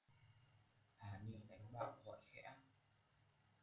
Hà ni đánh bạo gọi khẽ